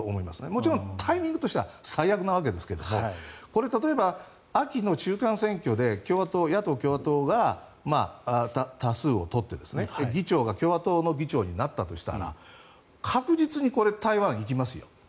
もちろんタイミングとしては最悪なわけですけどこれ、例えば秋の中間選挙で野党・共和党が多数を取って、議長が共和党の議長になったとしたら確実に台湾に行きますよ。